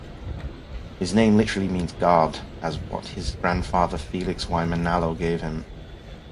His name literally means "guard" as what his grandfather Felix Y. Manalo gave him.